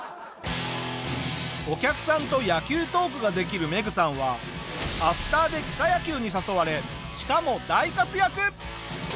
お客さんと野球トークができるメグさんはアフターで草野球に誘われしかも大活躍！